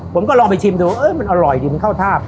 ผมก็ลองไปชิมดูมันอร่อยดีมันเข้าทาบ